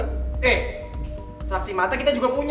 oke saksi mata kita juga punya